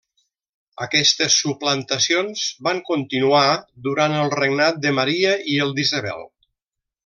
Aquestes suplantacions van continuar durant el regnat de Maria i el d'Isabel.